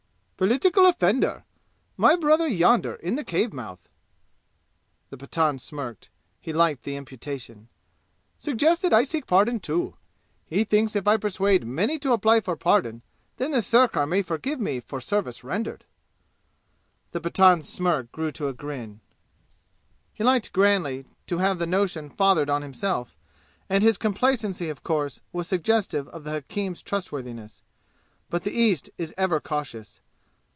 "Political offender. My brother yonder in the cave mouth" (The Pathan smirked. He liked the imputation) "suggested I seek pardon, too. He thinks if I persuade many to apply for pardon then the sirkar may forgive me for service rendered." The Pathan's smirk grew to a grin. He liked grandly to have the notion fathered on himself; and his complacency of course was suggestive of the hakim's trustworthiness. But the East is ever cautious.